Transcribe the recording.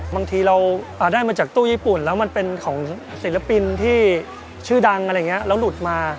บางทีเราได้มาจากตู้ญี่ปุ่นแล้วมันเป็นของศิลปินที่ชื่อดังอะไรอย่างนี้แล้วหลุดมา